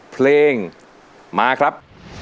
เพลงมาครับ